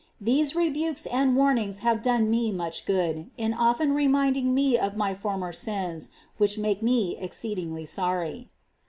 These rebukes and warnings have done me much good, in often reminding me of my former sins, which make me exceedingly sorry.